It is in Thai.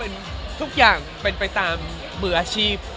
มันทุกอย่างเป็นไปตามมืออาชีพ